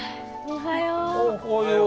おはよう。